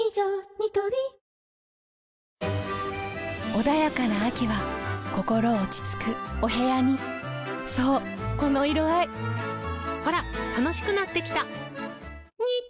ニトリ穏やかな秋は心落ち着くお部屋にそうこの色合いほら楽しくなってきた！